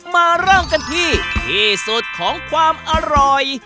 มาเริ่มกันที่ที่สุดของความอร่อย